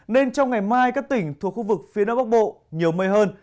nên trong ngày mai các tỉnh thuộc khu vực phía đông bắc bộ nhiều mây hơn